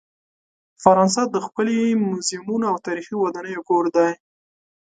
فرانسه د ښکلې میوزیمونو او تاریخي ودانۍ کور دی.